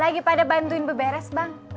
lagi pada bantuin beberes bang